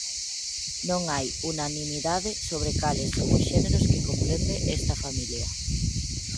Non hai unanimidade sobre cales son os xéneros que comprende esta familia.